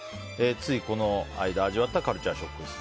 ついこの間、味わったカルチャーショックです。